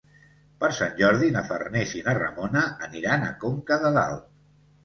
Per Sant Jordi na Farners i na Ramona aniran a Conca de Dalt.